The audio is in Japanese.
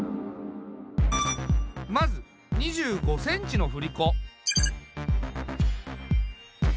まず２５ｃｍの振り子。